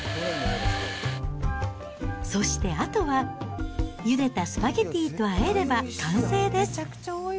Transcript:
そしてあとは、ゆでたスパゲティとあえれば完成です。